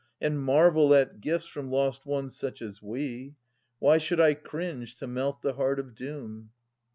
And marvel at gifts from lost ones such as we. Why should J cringe to melt the heart of doom